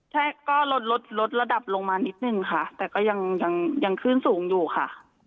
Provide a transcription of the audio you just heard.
ใช่ก็ลดลดระดับลงมานิดนึงค่ะแต่ก็ยังคลื่นสูงอยู่ค่ะ